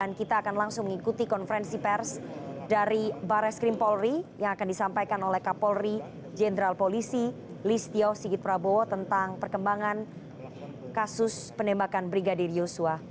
dan kita akan langsung mengikuti konferensi pers dari bareskrim polri yang akan disampaikan oleh kapolri jenderal polisi listio sigit prabowo tentang perkembangan kasus penembakan brigadir yusua